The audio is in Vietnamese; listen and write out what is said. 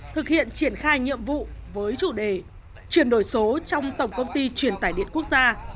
thực hiện triển khai nhiệm vụ với chủ đề chuyển đổi số trong tổng công ty truyền tải điện quốc gia